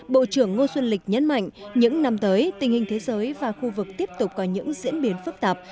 bộ trưởng ngô xuân lịch nhấn mạnh những năm tới tình hình thế giới và khu vực tiếp tục có những diễn biến phức tạp